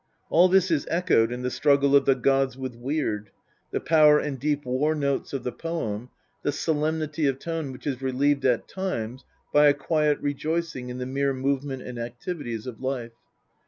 All this is echoed in the struggle of the gods with Weird, the power and deep war notes of the poem, the solemnity of tone which is relieved at times by a quiet rejoicing in the mere movement and activities of life.